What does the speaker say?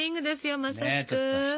まさしく。